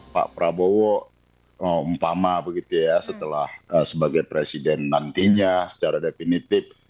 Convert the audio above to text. pak prabowo umpama begitu ya setelah sebagai presiden nantinya secara definitif